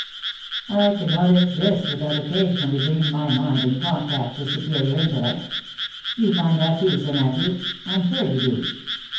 I cannot exist without occasionally bringing my mind in contact with superior intellect ; you find that, too, Sir Matthew, I'm sure you do."